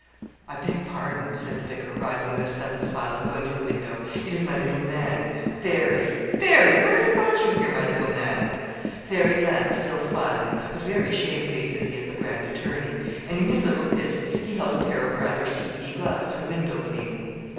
'I beg pardon,' said the vicar, rising with a sudden smile, and going to the window. 'It is my little man. Fairy! Fairy! What has brought you here; my little man?' Fairy glanced, still smiling, but very shamefacedly at the grand attorney, and in his little fist he held a pair of rather seedy gloves to the window pane.